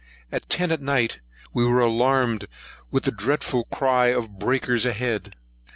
At ten at night we were alarmed with the dreadful cry of breakers ahead.